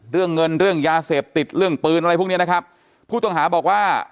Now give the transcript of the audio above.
เรื่องเงินเรื่องยาเสพติดเรื่องปืนอะไรพวกเนี้ยนะครับผู้ต้องหาบอกว่า